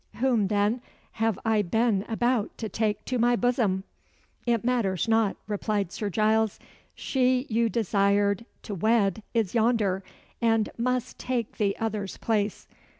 Whom, then, have I been about to take to my bosom?" "It matters not," replied Sir Giles. "She you desired to wed is yonder, and must take the other's place.